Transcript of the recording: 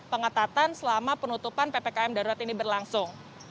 pengetatan selama penutupan ppkm darurat ini berlangsung